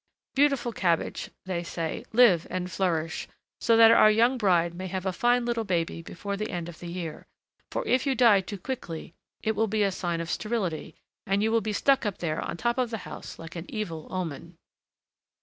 "Beautiful cabbage," they say, "live and flourish, so that our young bride may have a fine little baby before the end of the year; for if you die too quickly, it will be a sign of sterility, and you will be stuck up there on top of the house like an evil omen."